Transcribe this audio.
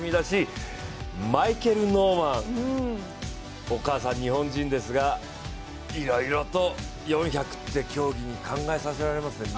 マイケル・ノーマン、お母さん日本人ですがいろいろと４００って競技に考えさせられますね。